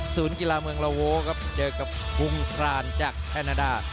กีฬาเมืองละโวครับเจอกับกุงพรานจากแคนาดา